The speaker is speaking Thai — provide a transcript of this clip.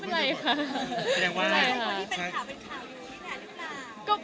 ไม่เป็นไรค่ะ